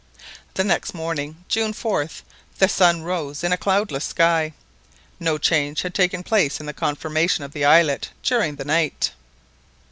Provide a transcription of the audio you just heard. The next morning, June 4th, the sun rose in a cloudless sky. No change had taken place in the conformation of the islet during the night.